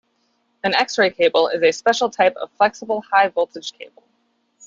An X-ray cable is a special type of flexible high-voltage cable.